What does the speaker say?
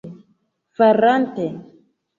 farante